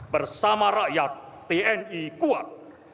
bersama rakyat tni kuat